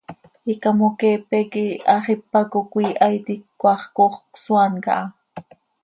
Icamoqueepe quih hax ipac oo cöiiha iti, cmaax coox cösoaan caha.